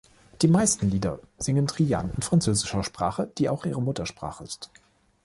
Die meisten Lieder singen Tri Yann in französischer Sprache, die auch ihre Muttersprache ist.